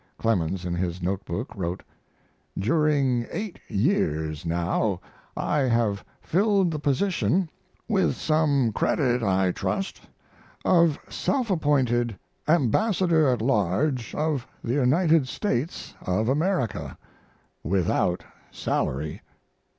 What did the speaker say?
Clemens in his note book wrote: During 8 years now I have filled the position with some credit, I trust, of self appointed ambassador at large of the United States of America without salary.